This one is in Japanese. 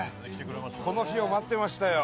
この日を待ってましたよ。